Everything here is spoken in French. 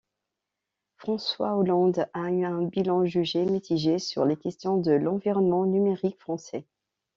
François Hollande a un bilan jugé mitigé sur les questions de l'environnement numérique français.